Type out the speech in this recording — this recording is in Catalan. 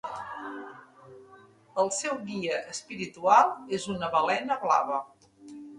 El seu guia espiritual és una balena blava.